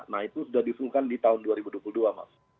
nah itu sudah disungkan di tahun dua ribu dua puluh dua mas